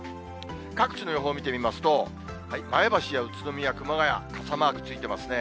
各地の予報見てみますと、前橋や宇都宮、熊谷、傘マークついてますね。